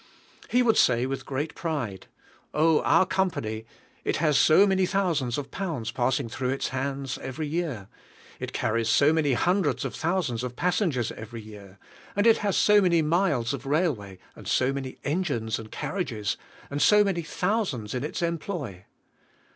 He w ould say with great pride, "Oh, our company — it has so manj^ thousands of pounds passing through its hands every year ; it car ries so many hundreds of thousands of passengers every year ; and it has so many miles of railway, and so many engines and carriages; and so many thousands in its employ